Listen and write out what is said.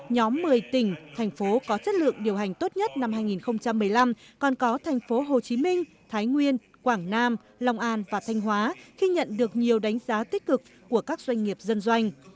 nhóm một mươi tỉnh thành phố có chất lượng điều hành tốt nhất năm hai nghìn một mươi năm còn có thành phố hồ chí minh thái nguyên quảng nam long an và thanh hóa khi nhận được nhiều đánh giá tích cực của các doanh nghiệp dân doanh